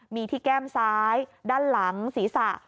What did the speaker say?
มีที่แก้มซ้ายด้านหลังศีรษะ